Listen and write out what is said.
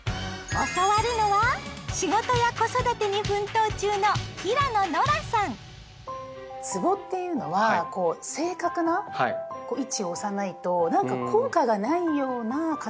教わるのは仕事や子育てに奮闘中のつぼっていうのはこう正確な位置を押さないとなんか効果がないような勝手なイメージが。